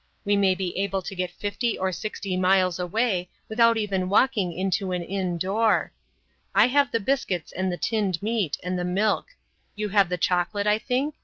We may be able to get fifty or sixty miles away without even walking into an inn door. I have the biscuits and the tinned meat, and the milk. You have the chocolate, I think?